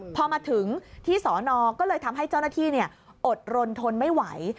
พอมาถึงที่สอนอก็เลยทำให้เจ้าหน้าที่อดรนทนไม่ไหว